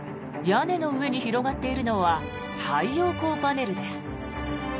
屋根の上に広がっているのは太陽光パネルです。